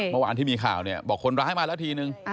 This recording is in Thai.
เมื่อวานที่มีข่าวเนี่ยบอกคนร้ายมาแล้วทีนึง